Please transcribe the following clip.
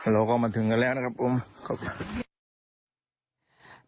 เราก็มาถึงกันแล้วนะครับผมขอบคุณ